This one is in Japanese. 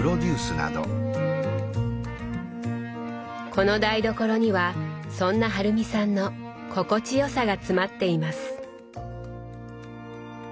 この台所にはそんな春美さんの心地よさが詰まっています。